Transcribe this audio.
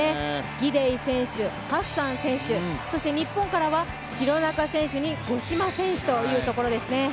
ギデイ選手、ハッサン選手、日本からは廣中選手に五島選手というところですね。